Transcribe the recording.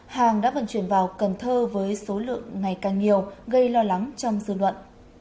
hàng đã vận chuyển vào cần thơ với số lượng ngày càng nhiều gây lo lắng trong dư luận